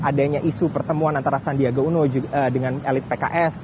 adanya isu pertemuan antara sandiaga uno dengan elit pks terkait dengan pembahasan sejumlah wacana tersebut